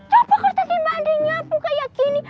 coba aku tadi mbak andin nyapu kayak gini